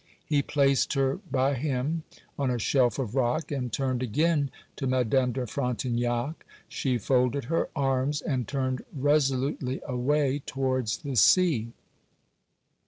He placed her by him on a shelf of rock, and turned again to Madame de Frontignac: she folded her arms and turned resolutely away towards the sea.